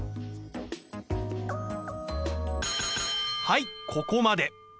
はいここまで。